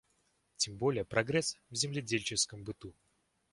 Тем более прогресс в земледельческом быту.